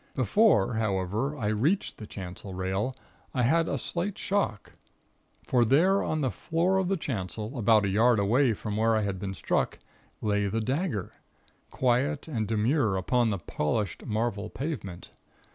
Before, however, I reached the chancel rail, I had a slight shock; for there on the floor of the chancel, about a yard away from where I had been struck, lay the dagger, quiet and demure upon the polished marble pavement.